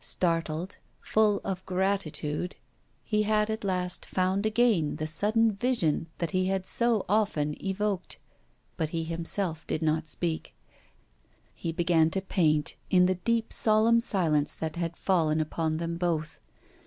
Startled, full of gratitude, he had at last found again the sudden vision that he had so often evoked. But he himself did not speak; he began to paint in the deep solemn silence that had fallen upon them both.